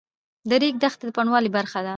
د ریګ دښتې د بڼوالۍ برخه ده.